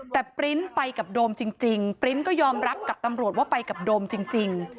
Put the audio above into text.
แต่ปริ้นต์ไปกับโดมจริงปริ้นต์ก็ยอมรับกับตำรวจว่าไปกับโดมจริง